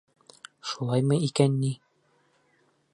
Шулаймы икән ни?